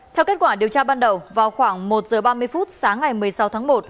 theo kết quả điều tra ban đầu vào khoảng một h ba mươi phút sáng ngày một mươi sáu tháng một